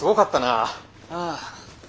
ああ。